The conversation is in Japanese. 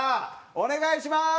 お願いします！